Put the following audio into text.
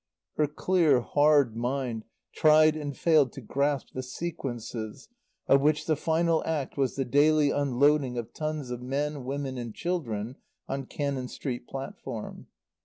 Her clear hard mind tried and failed to grasp the sequences of which the final act was the daily unloading of tons of men, women and children on Cannon Street platform.